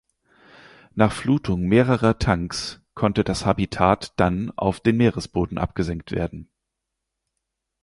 Nach Flutung mehrerer Tanks konnte das Habitat dann auf den Meeresboden abgesenkt werden.